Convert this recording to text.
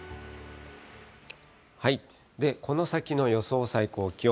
で、この先の予想最高気温。